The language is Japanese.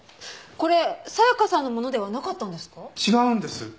これ紗香さんのものではなかったんですか？